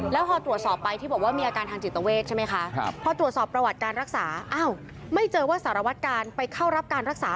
แล้วพอตรวจสอบไปที่บอกว่ามีอาการทางจิตเวชใช่ไหมคะ